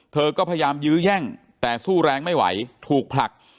เธอก็พยายามยื้อแย่งแต่สู้แรงไม่ไหวถูกผลัก